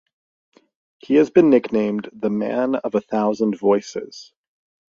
He has been nicknamed "The Man of a Thousand Voices".